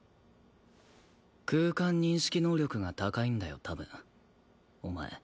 空間認識能力が高いんだよ多分お前。